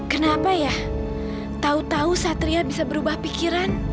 kenapa ya tahu tahu satria bisa berubah pikiran